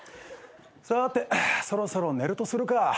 さてそろそろ寝るとするか。